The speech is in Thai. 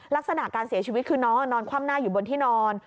ลักษณะการเสียชีวิตคือน้องนอนคว่ำหน้าอยู่บนที่นอน